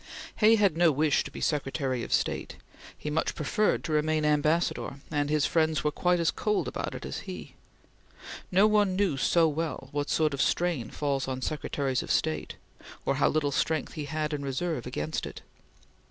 Hay had no wish to be Secretary of State. He much preferred to remain Ambassador, and his friends were quite as cold about it as he. No one knew so well what sort of strain falls on Secretaries of State, or how little strength he had in reserve against it.